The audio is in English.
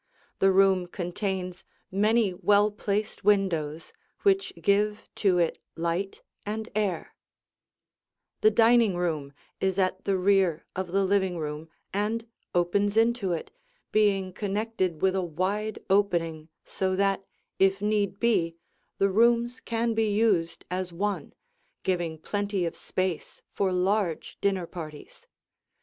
The room contains many well placed windows which give to it light and air. [Illustration: Two Views of the Dining Room] The dining room is at the rear of the living room and opens into it, being connected with a wide opening so that, if need be, the rooms can be used as one, giving plenty of space for large dinner parties.